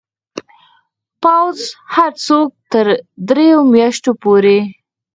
پوځ هر څوک تر دریو میاشتو پورې